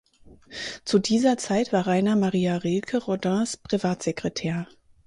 Zu dieser Zeit war Rainer Maria Rilke Rodins Privatsekretär.